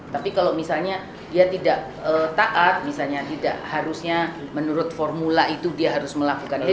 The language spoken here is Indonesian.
tapi kalau misalnya dia tidak taat misalnya tidak harusnya menurut formula itu dia harus melakukan itu